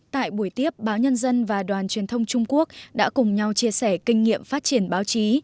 tại buổi tiếp báo nhân dân và đoàn truyền thông trung quốc đã cùng nhau chia sẻ kinh nghiệm phát triển báo chí